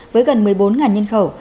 với gần một mươi bốn nhân khẩu